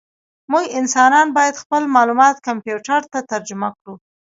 موږ انسانان باید خپل معلومات کمپیوټر ته ترجمه کړو.